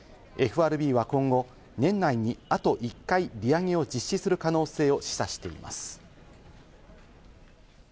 ＦＲＢは今後、年内にあと１回利上げを実施する可能性を示唆しています。